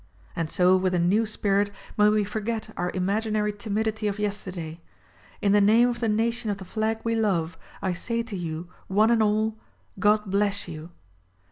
And so with a new spirit may we forget our imaginary timidity of yesterday. In the name of the nation of the flag we love, I say to you, one and all : God bless you